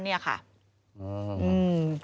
อืม